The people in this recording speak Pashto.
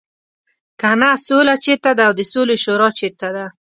کنه سوله چېرته ده او د سولې شورا چېرته ده.